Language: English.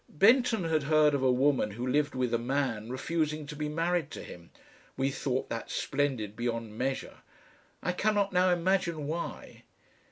Benton had heard of a woman who lived with a man refusing to be married to him we thought that splendid beyond measure, I cannot now imagine why.